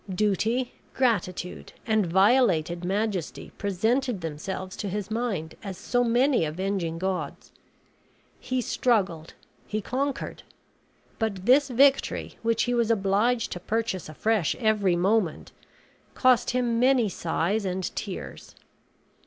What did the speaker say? Duty, gratitude, and violated majesty presented themselves to his mind as so many avenging gods. He struggled; he conquered; but this victory, which he was obliged to purchase afresh every moment, cost him many sighs and tears.